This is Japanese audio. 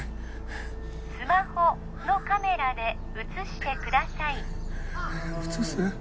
スマホのカメラで写してくださいえっ写す？